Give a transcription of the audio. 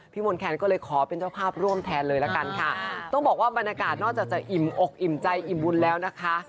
มนแคนก็เลยขอเป็นเจ้าภาพร่วมแทนเลยละกันค่ะต้องบอกว่าบรรยากาศนอกจากจะอิ่มอกอิ่มใจอิ่มบุญแล้วนะคะ